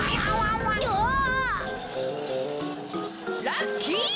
ラッキー！